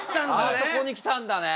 あそこに来たんだね！